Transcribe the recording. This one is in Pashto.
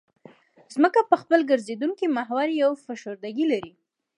ځمکه په خپل ګرځېدونکي محور یوه فشردګي لري